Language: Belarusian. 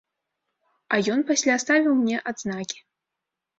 А ён пасля ставіў мне адзнакі.